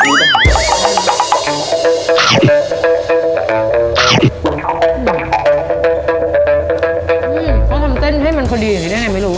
เขาทำเต้นให้มันพอดีอย่างนี้ได้ไงไม่รู้